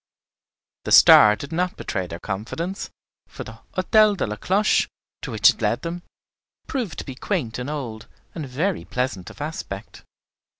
The star did not betray their confidence; for the Hôtel de la Cloche, to which it led them, proved to be quaint and old, and very pleasant of aspect.